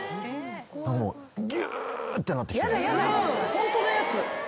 ホントのやつ。